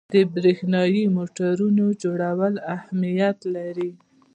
د برېښنايي موټورونو جوړول اهمیت لري.